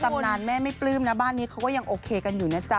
ตำนานแม่ไม่ปลื้มนะบ้านนี้เขาก็ยังโอเคกันอยู่นะจ๊ะ